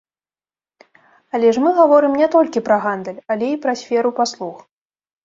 Але ж мы гаворым не толькі пра гандаль, але і пра сферу паслуг.